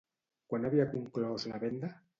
Quan havia conclòs la venda?